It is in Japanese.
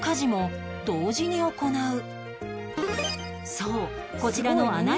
そうこちらの穴井さん